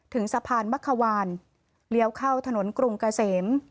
ถึงสะพานมะขวานเลี้ยวเข้าถนนกรุงเกษม